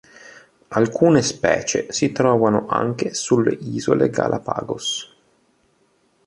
Alcune specie si trovano anche sulle Isole Galapagos.